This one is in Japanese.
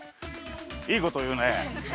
いいこというね。